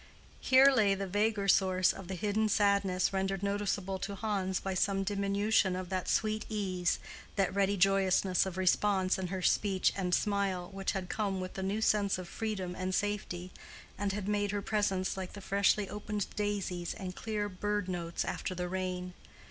Here lay the vaguer source of the hidden sadness rendered noticeable to Hans by some diminution of that sweet ease, that ready joyousness of response in her speech and smile, which had come with the new sense of freedom and safety, and had made her presence like the freshly opened daisies and clear bird notes after the rain.